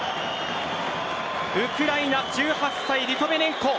ウクライナ１８歳リトヴェネンコ